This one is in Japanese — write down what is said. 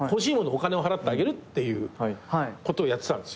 お金を払ってあげるっていうことをやってたんですよ。